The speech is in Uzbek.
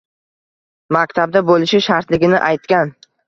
Maktabda bo‘lishi shartligini aytgan.